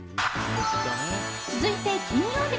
続いて金曜日。